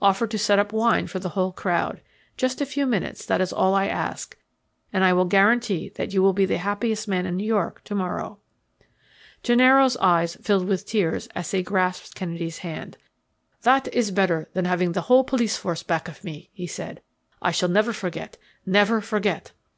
Offer to set up wine for the whole crowd. Just a few minutes, that is all I ask, and I will guarantee that you will be the happiest man in New York to morrow." Gennaro's eyes filled with tears as he grasped Kennedy's hand. "That is better than having the whole police force back of me," he said. "I shall never forget, never forget."